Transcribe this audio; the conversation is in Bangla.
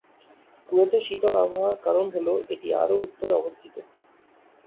কুয়েতে শীতল আবহাওয়ার কারণ হলো এটি আরও উত্তরে অবস্থিত।